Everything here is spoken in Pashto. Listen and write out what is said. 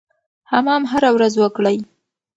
حمام هره ورځ وکړئ.